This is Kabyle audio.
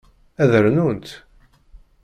Ad rnunt?